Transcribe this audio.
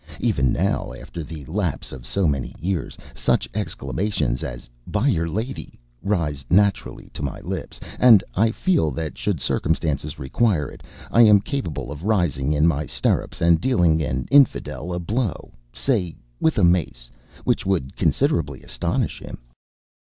Even now, after the lapse of so many years, such exclamations as "By'r Lady!" rise naturally to my lips, and I feel that, should circumstances require it, I am capable of rising in my stirrups and dealing an infidel a blow say with a mace which would considerably astonish him.